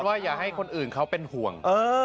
อย่าให้คนอื่นเขาเป็นห่วง